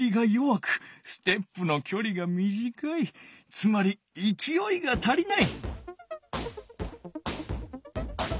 つまりいきおいが足りない。